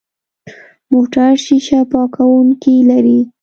موټر شیشه پاکونکي لري.